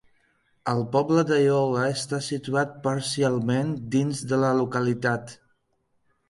El poble de Iola està situat parcialment dins de la localitat.